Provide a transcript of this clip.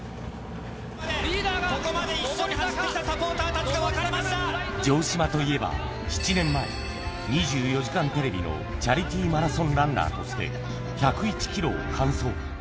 ここまで一緒に走ってきたサ城島といえば７年前、２４時間テレビのチャリティーマラソンランナーとして、１０１キロを完走。